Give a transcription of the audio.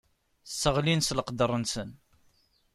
Sseɣlin s leqder-nsen.